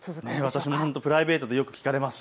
私もプライベートでよく聞かれます。